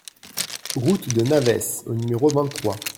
Route de Navès au numéro vingt-trois